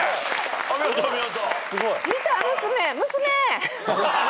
お見事お見事。